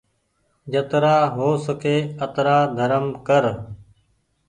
جترآ هو سڪي آترا ڌرم ڪر